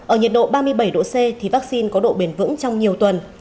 ở nhiệt độ ba mươi bảy độ c thì vaccine có độ bền vững trong nhiều tuần